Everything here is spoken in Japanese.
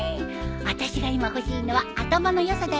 あたしが今欲しいのは頭の良さだよ。